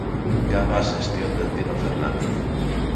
Gaba a xestión de Tino Fernández.